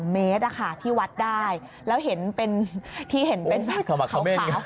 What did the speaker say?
เมตรที่วัดได้แล้วเห็นเป็นที่เห็นเป็นแบบขาว